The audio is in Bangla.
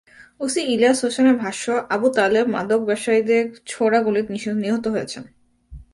ওসি ইলিয়াস হোসেনের ভাষ্য, আবু তালেব মাদক ব্যবসায়ীদের ছোড়া গুলিতে নিহত হয়েছেন।